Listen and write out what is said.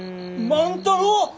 万太郎！？